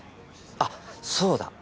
あっそうだ！